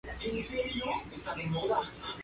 Fundó la Asociación Argentina de Ciencia Política.